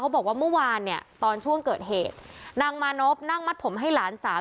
บอกว่าเมื่อวานเนี่ยตอนช่วงเกิดเหตุนางมานพนั่งมัดผมให้หลานสาว